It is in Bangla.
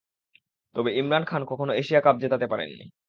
তবে ইমরান খান কখনো এশিয়া কাপ জেতাতে পারেননি।